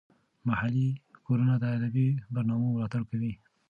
محلي کورونه د ادبي برنامو ملاتړ کوي.